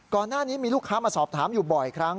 ก่อนหน้านี้มีลูกค้ามาสอบถามอยู่บ่อยครั้ง